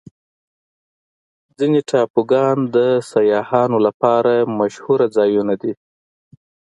ځینې ټاپوګان د سیاحانو لپاره مشهوره ځایونه دي.